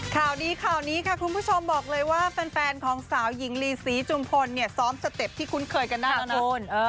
ข่าวดีข่าวนี้ค่ะคุณผู้ชมบอกเลยว่าแฟนของสาวหญิงลีศรีจุมพลเนี่ยซ้อมสเต็ปที่คุ้นเคยกันมากนะคุณ